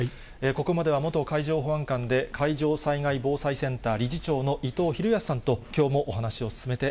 ここまでは元海上保安監で、海上災害防災センター理事長の伊藤裕康さんときょうもお話進めて